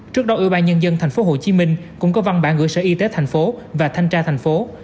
trước đó ủy ban nhân dân tp hcm cũng có văn bản gửi sở y tế tp hcm và thanh tra tp hcm